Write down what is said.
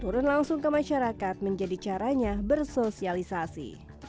turun langsung ke masyarakat menjadi caranya bersosialisasi